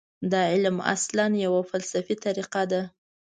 دا علم اصلاً یوه فلسفي طریقه ده.